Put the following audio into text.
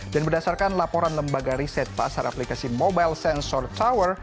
dan berdasarkan laporan lembaga riset pasar aplikasi mobile sensor tower